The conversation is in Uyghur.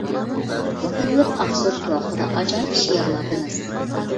مۇتەللىپ ئاقسۇدىكى ۋاقتىدا ئاجايىپ شېئىرلارنى يازدى.